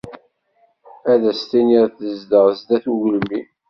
Ad as tiniḍ tezdeɣ sdat ugelmim.